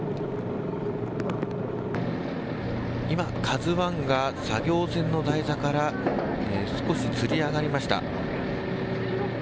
今、ＫＡＺＵＩが作業船の台座から少しつり上がりました。